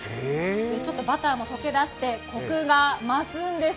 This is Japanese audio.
ちょっとバターも溶け出してコクが増すんです。